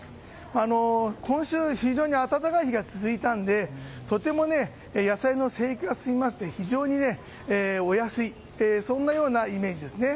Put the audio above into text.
今週非常に暖かい日が続いたのでとても野菜の生育が進みまして非常にお安いそんなようなイメージですね。